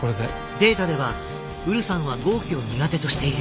データではウルサンは豪鬼を苦手としている。